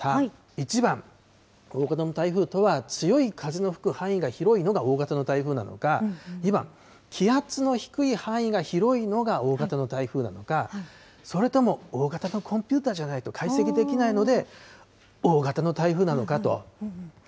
１番、大型の台風とは、強い風の吹く範囲が広いのが大型の台風なのか、２番、気圧の低い範囲が広いのが大型の台風なのか、それとも大型のコンピューターじゃないと解析できないので、大型の台風なのかと。